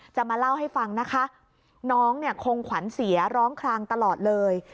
จะมาเล่าให้ฟังนะคะน้องเนี่ยคงขวัญเสียร้องคลางตลอดเลย